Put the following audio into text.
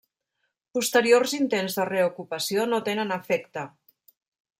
Posteriors intents de reocupació no tenen efecte.